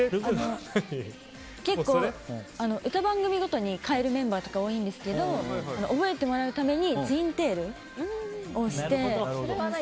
結構歌番組ごとに変えるメンバーとか多いんですけど覚えてもらうためにツインテールをして。